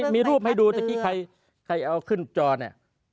มีรูปให้ดูเมื่อกี้ใครเอาขึ้นจอเนี่ย